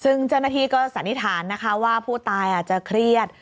ซึ่งเจ้าหน้าที่ก็สันนิษฐานนะคะว่าผู้ตายอาจจะเครียด